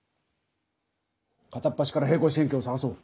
かたっぱしから平行四辺形を探そう。